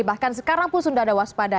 bahkan sekarang pun sudah ada waspada